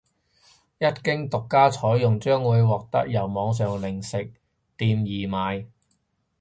一經獨家採用將會獲得由網上零食店易買